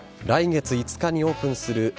来月５日にオープンする